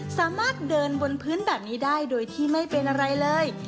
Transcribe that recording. สามารถเดินบนพื้นแบบนี้ได้โดยที่ไม่เป็นอะไรเลย